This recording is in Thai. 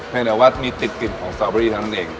ยังแต่ว่ามีติดกลิ่นของสตอเบอรี่เท่านั้นเอง